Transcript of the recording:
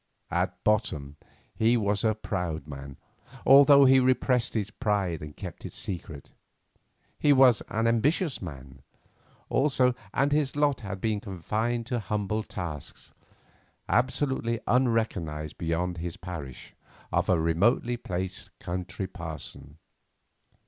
At bottom he was a proud man, although he repressed his pride and kept it secret. He was an ambitious man, also, and his lot had been confined to humble tasks, absolutely unrecognised beyond his parish, of a remotely placed country parson.